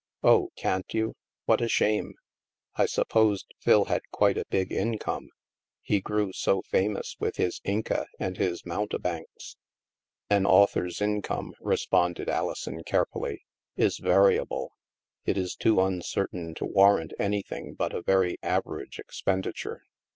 Oh, can't you? What a shame. I supposed Phil had quite a big income. He grew so famous with his * Inca ' and his ' Mountebanks.' " "An author's income," responded Alison care fully, " is variable. It is too uncertain to warrant anything but a very average expenditure..